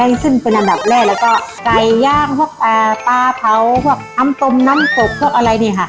ก็ซึ่งเป็นอันดับแรกแล้วก็ไกล้ยากพวกป๊าปลาเผาพวกอัมตมน้ำปบพวกอะไรเนี้ยค่ะ